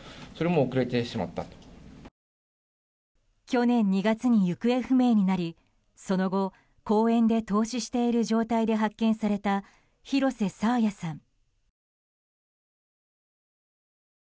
去年２月に行方不明になりその後、公園で凍死している状態で発見された、広瀬爽彩さん。